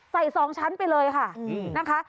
๒ชั้นไปเลยค่ะนะคะ